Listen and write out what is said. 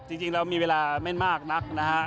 จริงเรามีเวลาไม่น่ามากนะครับ